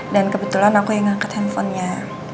dan kebetulan aku yang angkat handphonenya